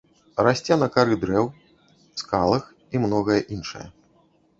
Расце на кары дрэў, скалах і многае іншае.